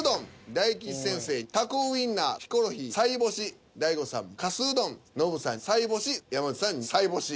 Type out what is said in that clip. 大吉先生「タコウインナー」ヒコロヒー「さいぼし」大悟さん「かすうどん」ノブさん「さいぼし」山内さん「さいぼし」。